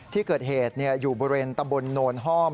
ที่เกิดเหตุอยู่บริเวณตำบลโนนห้อม